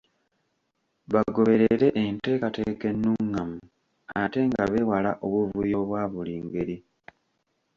Bagoberere enteekateeka ennungamu ate nga beewala obuvuyo obwa buli ngeri.